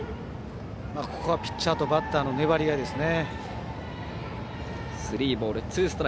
ここはピッチャーとバッターの粘り合いですね。